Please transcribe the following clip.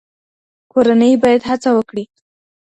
کورنۍ باید هڅه وکړي.